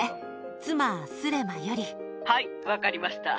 妻、はい、分かりました。